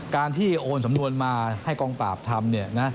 การที่โอนสำนวนมาให้กองปราบทำ